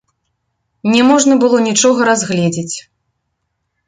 Не можна было нічога разгледзець.